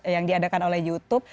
yang diadakan oleh youtube